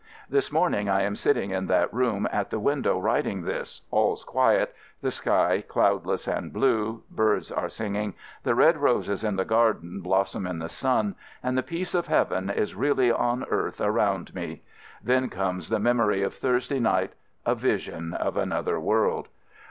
This morning I am sitting in that room at the window writing this — all 's quiet — the sky, cloudless and blue — birds are singing — the red roses in the garden blossom in the sun, and the peace of Heaven is really on earth around me. Then comes the memory of Thursday night; a vision of another world.